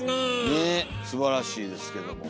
ねっすばらしいですけども。